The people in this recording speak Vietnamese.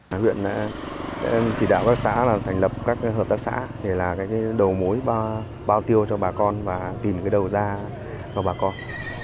học viện chỉ đạo các xã là thành lập các hợp tác xã để là cái đầu mối bao tiêu cho bà con và tìm cái đầu ra cho bà con